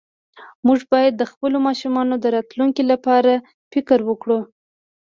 مونږ باید د خپلو ماشومانو د راتلونکي لپاره فکر وکړو